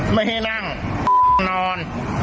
ไม่ให้นั่งนอน